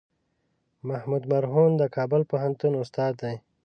محمود مرهون د کابل پوهنتون استاد دی.